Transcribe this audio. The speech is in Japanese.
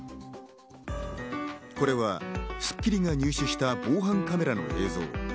これは『スッキリ』が入手した防犯カメラの映像。